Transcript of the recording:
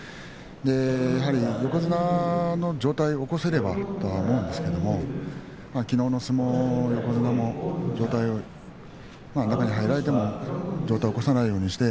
やはり横綱の上体を起こせればと思うんですがきのうの相撲、横綱の上体は中に入られても上体を起こしませんでした。